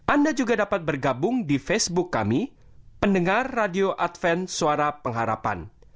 anda juga dapat bergabung di facebook kami pendengar radio adven suara pengharapan